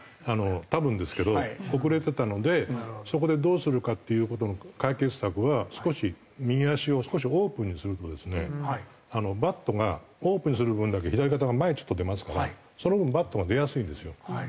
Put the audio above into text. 多分ですけど遅れてたのでそこでどうするかっていう事の解決策は少し右足を少しオープンにするとですねバットがオープンにする分だけ左肩が前へちょっと出ますからその分バットが出やすいんですよ。